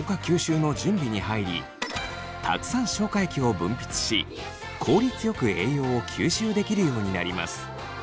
吸収の準備に入りたくさん消化液を分泌し効率よく栄養を吸収できるようになります。